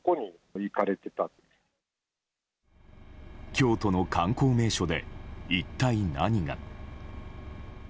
京都の観光名所で一体何が。